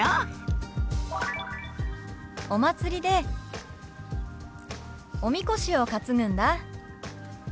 「お祭りでおみこしを担ぐんだ」。